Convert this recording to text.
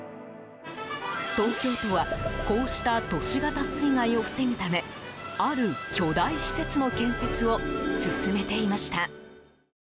東京都はこうした都市型水害を防ぐためある巨大施設の建設を進めていました。